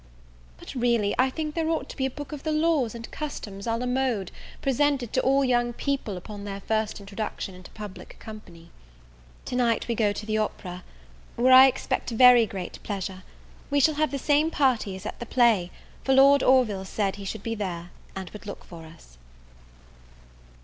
But, really, I think there ought to be a book of the laws and customs e; la mode, presented to all young people upon their first introduction into public company. To night we go to the opera, where I expect very great pleasure. We shall have the same party as at the play, for Lord Orville said he should be there, and would look for us.